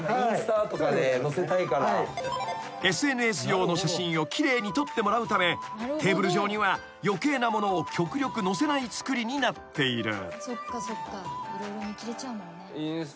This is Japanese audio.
［ＳＮＳ用の写真を奇麗に撮ってもらうためテーブル上には余計なものを極力載せない造りになっている］